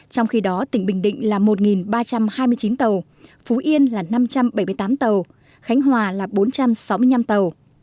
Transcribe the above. trong khi đó tỉnh bình định là một ba trăm hai mươi chín tàu phú yên là năm trăm bảy mươi tám tàu khánh hòa là bốn trăm sáu mươi năm tàu